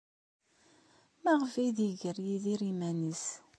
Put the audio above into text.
Maɣef ay d-iger Yidir iman-nnes?